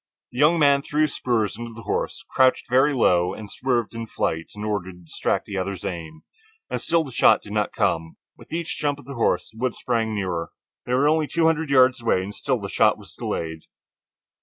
The young man threw his spurs into the horse, crouched very low, and swerved in his flight in order to distract the other's aim. And still the shot did not come. With each jump of the horse, the woods sprang nearer. They were only two hundred yards away and still the shot was delayed.